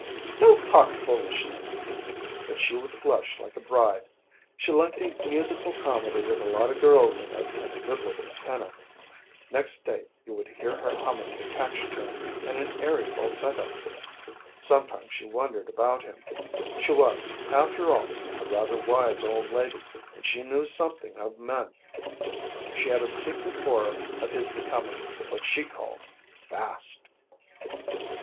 "Don't talk foolishness." But she would flush like a bride. She liked a musical comedy with a lot of girls in it and a good looking tenor. Next day you would hear her humming the catch tune in an airy falsetto. Sometimes she wondered about him. She was, after all, a rather wise old lady, and she knew something of men. She had a secret horror of his becoming what she called fast.